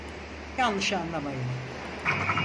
Yanlış anlamayın.